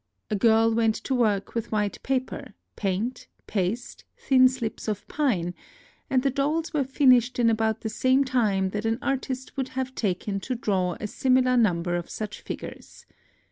A girl went to work with white paper, paint, paste, thin slips of pine ; and the dolls were finished in about the same time that an artist would have taken to draw a similar number of such figures.